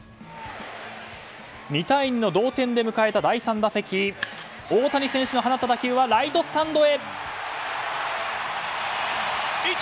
２対２の同点で迎えた第３打席大谷選手の放った打球はライトスタンドへ。